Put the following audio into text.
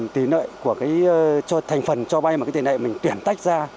tỷ lợi của cái thành phần cho bay mà cái tỷ lợi mình tuyển tách ra